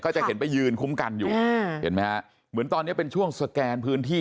จะเห็นไปยืนคุ้มกันอยู่เห็นไหมฮะเหมือนตอนนี้เป็นช่วงสแกนพื้นที่